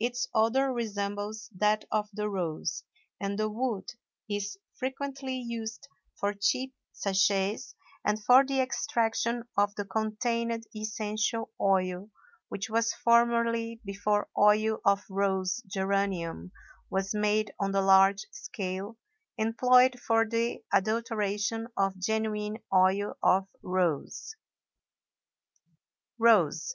Its odor resembles that of the rose, and the wood is frequently used for cheap sachets and for the extraction of the contained essential oil which was formerly (before oil of rose geranium was made on the large scale) employed for the adulteration of genuine oil of rose. ROSE.